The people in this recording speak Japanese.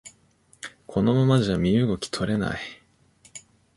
このままじゃ身動き取れない